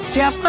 siap mak beres